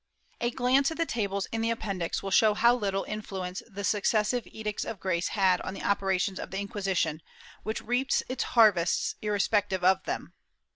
A glance at the tables in the Appendix will show how little influ ence the successive Edicts of Grace had on the operations of the Inquisition, which reaped its harvests irrespective of them.